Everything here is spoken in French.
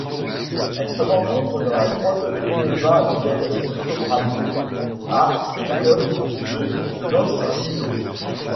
Elle se rencontre dans la grotte Cueva del Sobrado à Icod de los Vinos.